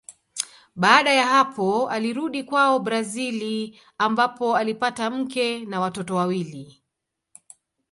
Baada ya hapo alirudi kwao Brazili ambapo alipata mke na watoto wawili.